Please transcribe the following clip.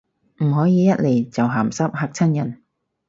唔可以一嚟就鹹濕，嚇親人